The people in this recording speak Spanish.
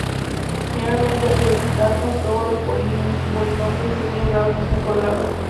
Generalmente, se descartan todos los polinomios de segundo grado que son cuadrados.